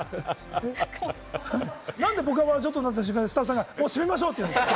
僕が１ショットになった瞬間に何でスタッフさんが締めましょうって言うんですか？